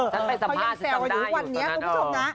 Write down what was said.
ฉันไปสัมภาษณ์สิทำได้อยู่ตรงนั้น